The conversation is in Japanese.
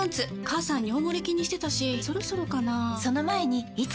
母さん尿モレ気にしてたしそろそろかな菊池）